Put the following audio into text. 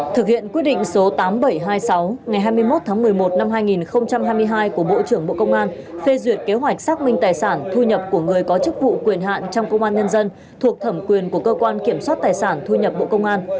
thực hiện quyết định số tám nghìn bảy trăm hai mươi sáu ngày hai mươi một tháng một mươi một năm hai nghìn hai mươi hai của bộ trưởng bộ công an phê duyệt kế hoạch xác minh tài sản thu nhập của người có chức vụ quyền hạn trong công an nhân dân thuộc thẩm quyền của cơ quan kiểm soát tài sản thu nhập bộ công an